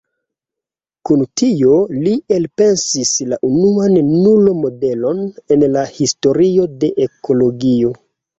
Kun tio, li elpensis la unuan nulo-modelon en la historio de ekologio.